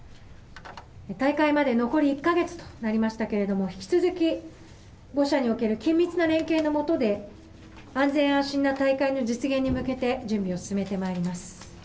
大会まで残り１か月となりましたけれども、引き続き５者における緊密な連携の下で安全・安心な大会の実現に向けて、準備を進めてまいります。